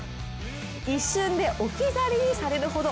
一瞬で置き去りにされるほど。